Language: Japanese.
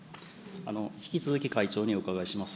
引き続き会長にお伺いします。